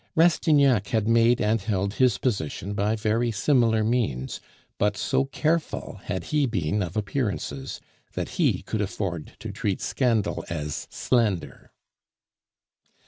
Rastignac had made and held his position by very similar means; but so careful had he been of appearances, that he could afford to treat scandal as slander.